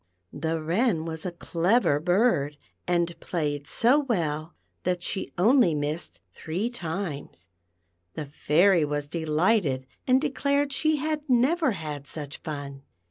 The Wren was a clever bird, and played so well that she only missed three times. The Fairy was delighted and declared she had never had such fun.